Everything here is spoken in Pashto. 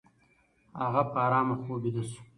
هغه په آرامه خوب ویده شو.